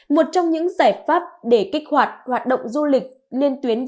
một trong những giải pháp để kích hoạt hoạt động du lịch liên tuyến